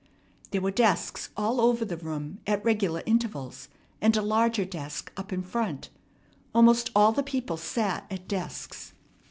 There were desks all over the room at regular intervals, and a larger desk up in front. Almost all the people sat at desks.